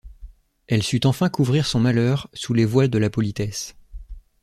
Elle sut enfin couvrir son malheur sous les voiles de la politesse.